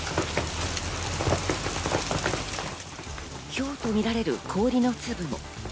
ひょうとみられる氷の粒も。